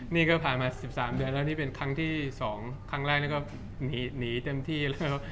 นี่ก็ผ่านมา๑๓เดือนแล้วนี่เป็นครั้งที่๒ครั้งแรกนี่ก็หนีเต็มที่แล้ว